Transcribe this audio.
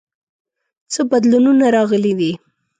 څه بدلونونه راغلي دي؟